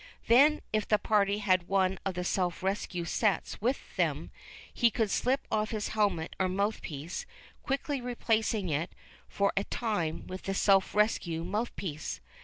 Then, if the party had one of the self rescue sets with them, he could slip off his helmet or mouth piece, quickly replacing it, for a time, with the self rescue mouth piece.